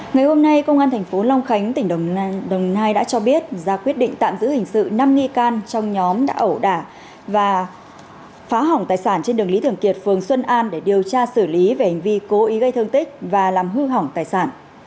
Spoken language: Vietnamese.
ngày hôm nay công an thành phố long khánh tỉnh đồng nai đã cho biết ra quyết định tạm giữ hình sự năm nghi can trong nhóm đã ẩu đả và phá hỏng tài sản trên đường lý thường kiệt phường xuân an để điều tra xử lý về hành vi cố ý gây thương tích và làm hư hỏng tài sản